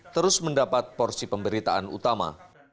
terus mendapat porsi pemberitaan utama